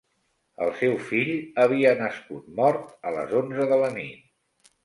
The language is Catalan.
El seu fill havia nascut mort a les onze de la nit.